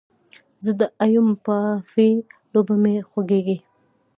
زه د ایم با في لوبه مې خوښیږي